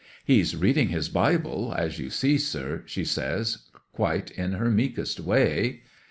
'"He's reading his Bible, as you see, sir," she says, quite in her meekest way.